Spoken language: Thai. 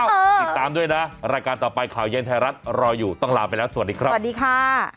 ติดตามด้วยนะรายการต่อไปข่าวเย็นไทยรัฐรออยู่ต้องลาไปแล้วสวัสดีครับสวัสดีค่ะ